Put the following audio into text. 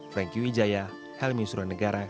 franky widjaya helmi suranegara